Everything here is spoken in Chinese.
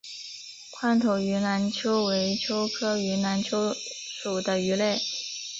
宽头云南鳅为鳅科云南鳅属的鱼类。